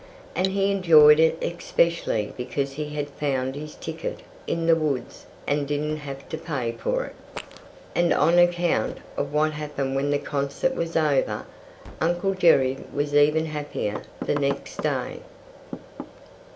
And he enjoyed it especially because he had found his ticket in the woods and didn't have to pay for it. And on account of what happened when the concert was over, Uncle Jerry was even happier the next day.